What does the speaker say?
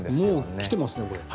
もう来てますね。